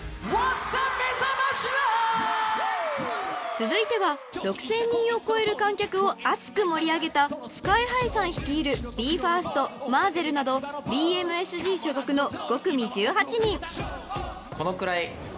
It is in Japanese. ［続いては６，０００人を超える観客を熱く盛り上げたＳＫＹ−ＨＩさん率いるＢＥ：ＦＩＲＳＴＭＡＺＺＥＬなどＢＭＳＧ所属の５組１８人］